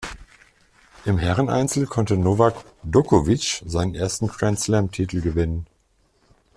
Im Herreneinzel konnte Novak Đoković seinen ersten Grand-Slam-Titel gewinnen.